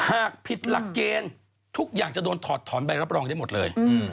หากผิดหลักเกณฑ์ทุกอย่างจะโดนถอดถอนใบรับรองได้หมดเลย